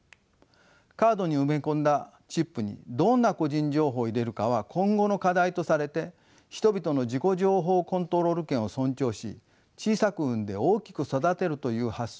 カードに埋め込んだチップにどんな個人情報を入れるかは今後の課題とされて人々の自己情報コントロール権を尊重し小さく生んで大きく育てるという発想で立ち上げました。